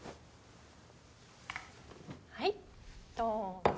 はいどうぞ。